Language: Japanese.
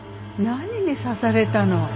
何に刺されたの？